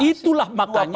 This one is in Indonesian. itu lah makanya